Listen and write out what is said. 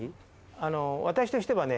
あの私としてはね